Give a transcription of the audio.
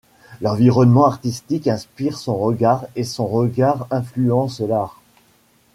L'environnement artistique inspire son regard et son regard influence l'art.